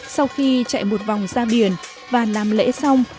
sau khi chạy một vòng ra biển và làm lễ xong